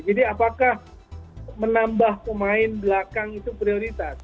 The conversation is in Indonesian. jadi apakah menambah pemain belakang itu prioritas